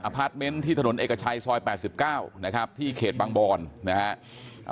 พาร์ทเมนต์ที่ถนนเอกชัยซอย๘๙นะครับที่เขตบางบอนนะฮะ